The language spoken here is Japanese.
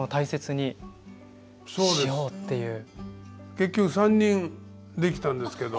結局３人できたんですけど。